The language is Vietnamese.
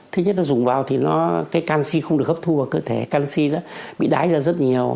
thứ nhất nó dùng vào thì canxi không được hấp thu vào cơ thể canxi bị đái ra rất nhiều